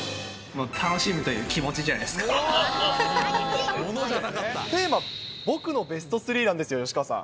楽しむという気持ちじゃないテーマ、僕のベスト３なんですよ、吉川さん。